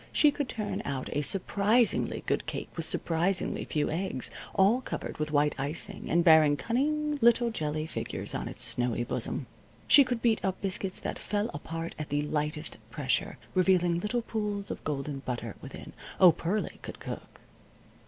She could turn out a surprisingly good cake with surprisingly few eggs, all covered with white icing, and bearing cunning little jelly figures on its snowy bosom. She could beat up biscuits that fell apart at the lightest pressure, revealing little pools of golden butter within. Oh, Pearlie could cook!